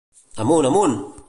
Amunt, amunt!